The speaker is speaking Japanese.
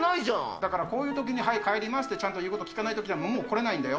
だからこういうときに早く帰りますってちゃんということ聞かないと、もう来れないんだよ。